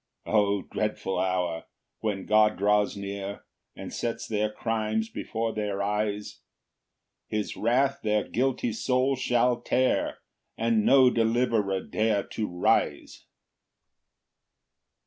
6 O dreadful hour! when God draws near, And sets their crimes before their eyes! His wrath their guilty souls shall tear, And no deliverer dare to rise.